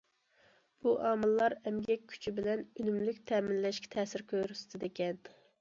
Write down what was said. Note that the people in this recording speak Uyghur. بۇ ئامىللار ئەمگەك كۈچى بىلەن ئۈنۈملۈك تەمىنلەشكە تەسىر كۆرسىتىدىكەن.